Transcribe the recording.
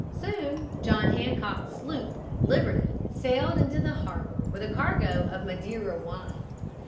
Soon John Hancock's sloop, Liberty, sailed into the harbor with a cargo of Madeira wine.